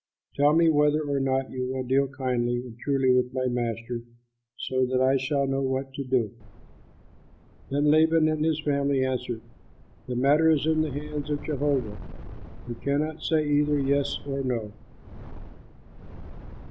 Tell me whether or not you will deal kindly and truly with my master, so that I shall know what to do!" Then Laban and his family answered, "The matter is in the hands of Jehovah. We cannot say either 'yes' or 'no.'